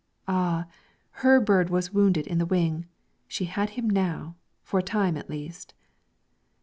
Ah! her bird was wounded in the wing; she had him now, for a time at least.